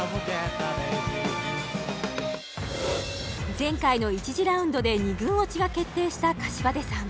前回の１次ラウンドで２軍落ちが決定した膳さん